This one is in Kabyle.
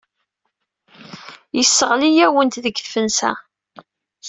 Yesseɣli-awent deg tfesna.